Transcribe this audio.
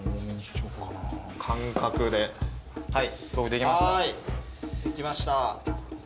できました。